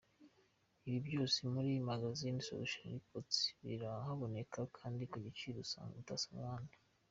Ibi byose muri Magasin Solution Sports birahaboneka kandi ku giciro utasanga ahandi.